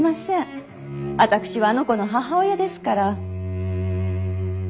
私はあの子の母親ですから。